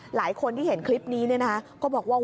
หลายคนที่เห็นคลิปนี้ก็บอกว่า